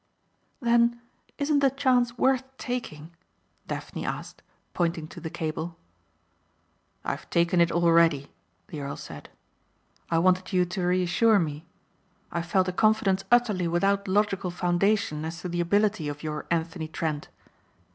"Then isn't the chance worth taking?" Daphne asked, pointing to the cable. "I've taken it already," the earl said, "I wanted you to reassure me. I felt a confidence utterly without logical foundation as to the ability of your Anthony Trent."